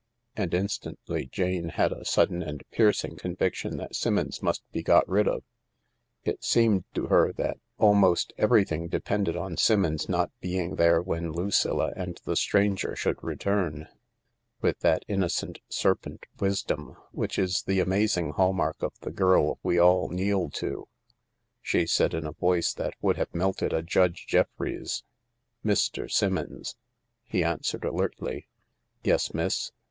And instantly Jane had a sudden and piercing conviction that Simmons must be got rid of. It seemed to her that almost everything depended on Simmons' not being there when Lucilla and the stranger should return. With that innocent serpent wisdom which is THE LARK the amazing h&ll mark of the girl we all kneel to, she said in a voice that Would have ttiefted a Judge Jeffreys :" Mr. Simmons." He answered alertly. " Yes, miss